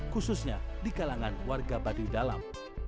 khususnya di kalangan warga baduy dalam